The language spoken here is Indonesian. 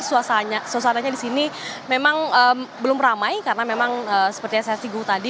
suasananya di sini memang belum ramai karena memang seperti yang saya singgung tadi